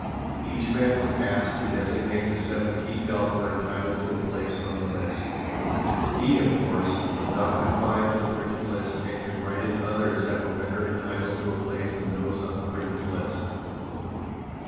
Each man was asked to designate the seven he felt were entitled to a place on the list. He, of course, was not confined to the printed list and could write in others that were better entitled to a place than those on the printed list.